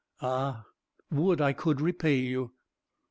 Ah, would I could repay you!"